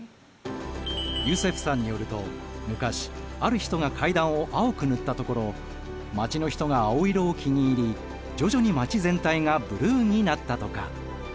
ユセフさんによると昔ある人が階段を青く塗ったところ街の人が青色を気に入り徐々に街全体がブルーになったとか。